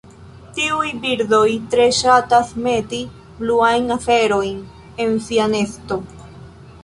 Tiuj birdoj tre ŝatas meti bluajn aferojn en sia nesto.